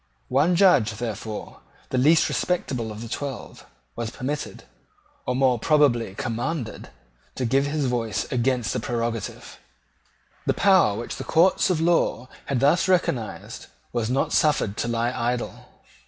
One Judge, therefore, the least respectable of the twelve, was permitted, or more probably commanded, to give his voice against the prerogative. The power which the courts of law had thus recognised was not suffered to lie idle.